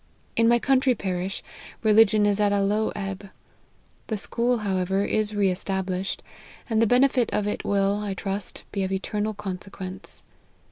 In my country parish, religion is at a low ebb. The school, however, is re esta blished ; and the benefit of it will, I trust, be of eternal consequence.